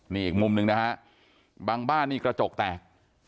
นี่อีกมุมหนึ่งนะฮะบางบ้านนี่กระจกแตก